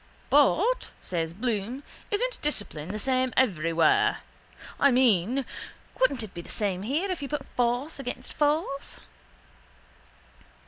—But, says Bloom, isn't discipline the same everywhere. I mean wouldn't it be the same here if you put force against force?